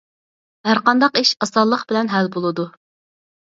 ھەر قانداق ئىش ئاسانلىق بىلەن ھەل بولىدۇ.